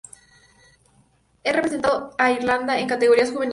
Ha representado a Irlanda en categorías juveniles.